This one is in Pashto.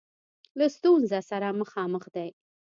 له ستونزه سره مخامخ دی.